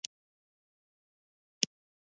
پاچا وويل: دا خلک ولې علم ته ارزښت نه ورکوي .